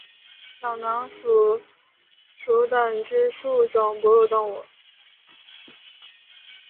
小囊鼠属等之数种哺乳动物。